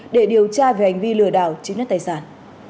để điều tra về hành vi lừa đảo chiếm đất tài sản